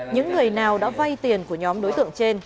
những người nào đã vay tiền của nhóm đối tượng trên